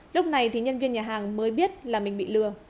lúc này thì nhân viên nhà hàng mới biết là mình bị lừa